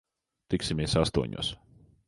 Tiksimies astoņos.